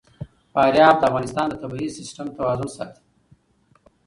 فاریاب د افغانستان د طبعي سیسټم توازن ساتي.